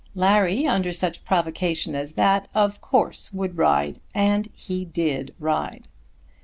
Larry, under such provocation as that of course would ride, and he did ride.